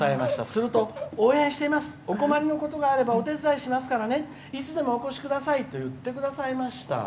すると、応援していますお困りのことがあればお手伝いしますからねいつでもお越しくださいと言ってくださいました」。